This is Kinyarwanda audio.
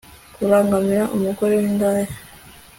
kurangamira umugore w'indaya